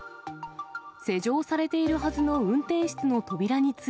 施錠されているはずの運転室